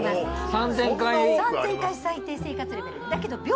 ３，０００回最低生活レベル。